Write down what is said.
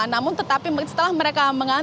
namun tetapi setelah mereka mengandung